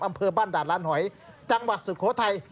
อำเภอบ้านด่านล้านหอยจังหวัดสุโขทัย